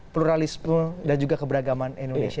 pluralisme dan juga keberagaman indonesia